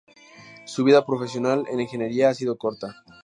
Su vida profesional en la ingeniería ha sido corta.